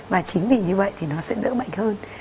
và chính vì như vậy thì nó sẽ đỡ mạnh hơn